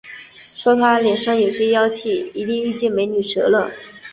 说他脸上有些妖气，一定遇见“美女蛇”了